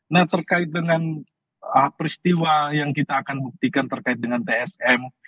nah terkait dengan peristiwa yang kita akan buktikan terkait dengan tsm